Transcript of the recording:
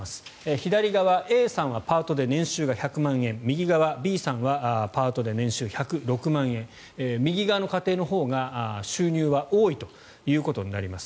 左、Ａさんはパートで年収が１００万円右側、Ｂさんはパートで年収１０６万円右側の家庭のほうが収入は多いということになります。